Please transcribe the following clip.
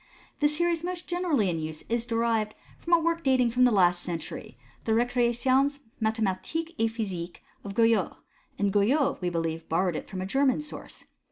The series most generally in use is derived from a work dating from the last century, the Recreations Mathematiques et Physiques of Guyot j and Guyot, we believe, borrowed it from a German source.